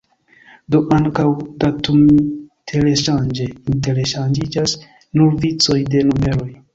Do ankaŭ datuminterŝanĝe interŝanĝiĝas nur vicoj de numeroj.